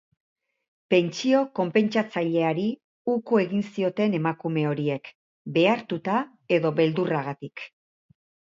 Pentsio konpentsatzaileari uko egin zioten emakume horiek behartuta edo beldurragatik.